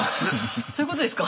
そういうことですか？